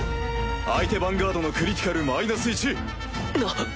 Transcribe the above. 相手ヴァンガードのクリティカルマイナス１！な！